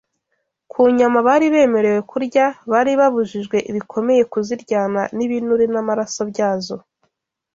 Ku nyama bari bemerewe kurya, bari babujijwe bikomeye kuziryana n’ibinure n’amaraso byazo.